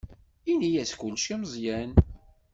Ini-as kullec i Meẓyan.